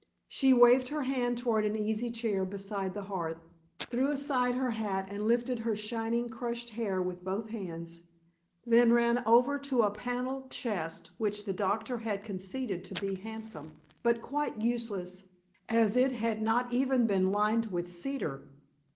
She waved her hand toward an easy chair beside the hearth, threw aside her hat and lifted her shining crushed hair with both hands, then ran over to a panelled chest which the doctor had conceded to be handsome, but quite useless as it was not even lined with cedar.